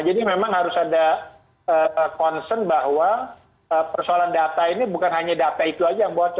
jadi memang harus ada concern bahwa persoalan data ini bukan hanya data itu aja yang buat